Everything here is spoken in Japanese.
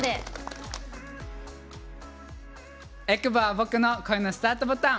えくぼは僕の恋のスタートボタン！